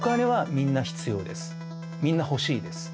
みんな欲しいです。